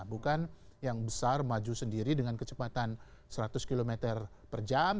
bukan yang besar maju sendiri dengan kecepatan seratus km per jam